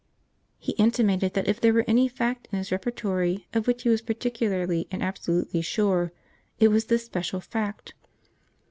He intimated that if there were any fact in his repertory of which he was particularly and absolutely sure it was this special fact.